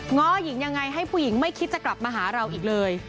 ้อหญิงยังไงให้ผู้หญิงไม่คิดจะกลับมาหาเราอีกเลย